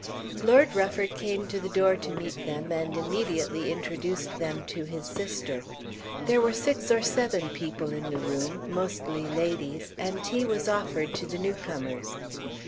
Lord Rufford came to the door to meet them and immediately introduced them to his sister. There were six or seven people in the room, mostly ladies, and tea was offered to the new comers.